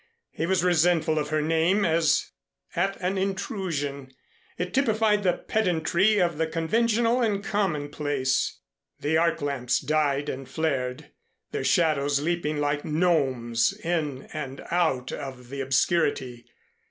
He was resentful of her name as at an intrusion. It typified the pedantry of the conventional and commonplace. The arc lamps died and flared, their shadows leaping like gnomes in and out of the obscurity.